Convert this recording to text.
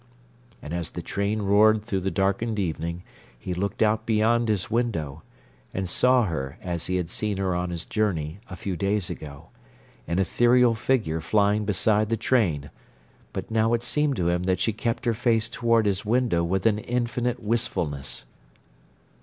And as the train roared through the darkened evening he looked out beyond his window, and saw her as he had seen her on his journey, a few days ago—an ethereal figure flying beside the train, but now it seemed to him that she kept her face toward his window with an infinite wistfulness.